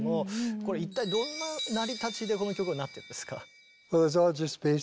これ一体どんな成り立ちでこの曲はなってるんですか？